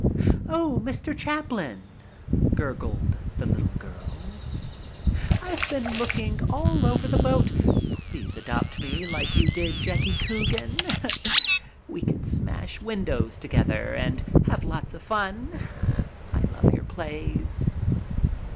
"Oh, Mr. Chaplin," gurgled the little girl. "I've been looking for you all over the boat. Please adopt me like you did Jackie Coogan. We could smash windows together and have lots of fun. I love your plays."